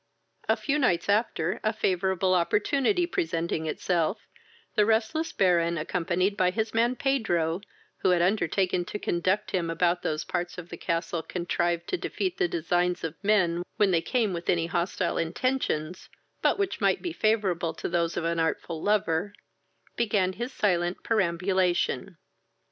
A few nights after, a favourable opportunity presenting itself, the restless Baron, accompanied by his man Pedro, who had undertaken to conduct him about those parts of the castle contrived to defeat the designs of men when they came with any hostile intentions, but which might be favourable to those of an artful lover, began his silent perambulation.